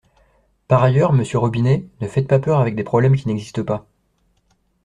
Par ailleurs, monsieur Robinet, ne faites pas peur avec des problèmes qui n’existent pas.